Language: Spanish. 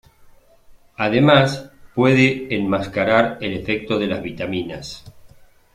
Además puede enmascarar el efecto de las vitaminas.